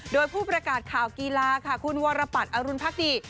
โดยผู้ประกาศข่าวกีฬาค่ะคุณวรปัตรอรุณพักดี